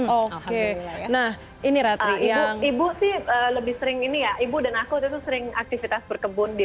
oke nah ini rata ibu sih lebih sering ini ya ibu dan aku itu sering aktivitas berkebun di